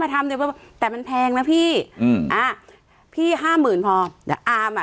ทำเลยว่าแต่มันแพงนะพี่อืมอ่าพี่ห้าหมื่นพอเดี๋ยวอามอ่ะ